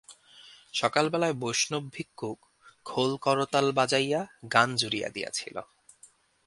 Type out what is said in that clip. সকালবেলায় বৈষ্ণব ভিক্ষুক খোল-করতাল বাজাইয়া গান জুড়িয়া দিয়াছিল।